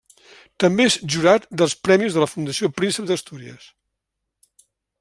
També és Jurat dels Premis de la Fundació Príncep d'Astúries.